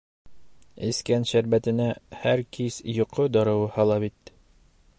Эскән шәрбәтенә һәр кис йоҡо дарыуы һала бит.